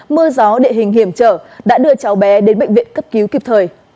mưa gió địa hình hiểm trở đã đưa cháu bé đến bệnh viện cấp cứu kịp thời